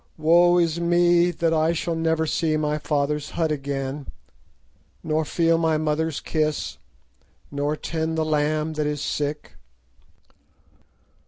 Woe is me, that I shall never see my father's hut again, nor feel my mother's kiss, nor tend the lamb that is sick!